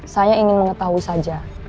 saya ingin mengetahui saja